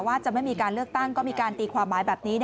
ว่าจะไม่มีการเลือกตั้งก็มีการตีความหมายแบบนี้